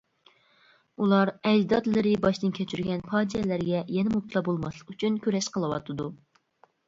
ئۇلار ئەجدادلىرى باشتىن كەچۈرگەن پاجىئەلەرگە يەنە مۇپتىلا بولماسلىق ئۈچۈن كۈرەش قىلىۋاتىدۇ.